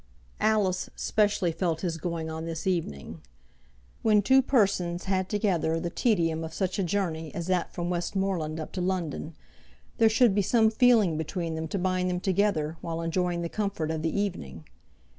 Alice specially felt his going on this evening. When two persons had together the tedium of such a journey as that from Westmoreland up to London, there should be some feeling between them to bind them together while enjoying the comfort of the evening.